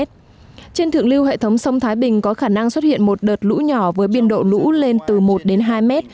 trên thượng lưu hệ thống sông thái bình có khả năng xuất hiện một đợt lũ nhỏ với biên độ lũ lên từ một đến hai m